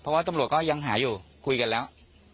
เพราะว่าตำรวจก็ยังหาอยู่คุยกันแล้ว